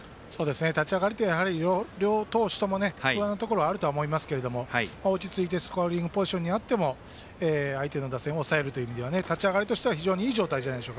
立ち上がりはやはり両投手とも不安なところあるとは思いますけど落ち着いてスコアリングポジションにあっても相手の打線を抑えるという意味では立ち上がりとしては非常にいいと思います。